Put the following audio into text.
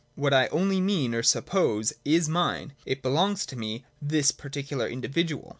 What I only mean or suppose is mine : it belongs to me, — this particular individual.